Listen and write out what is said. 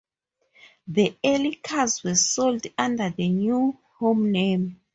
The early cars were sold under the New Home name.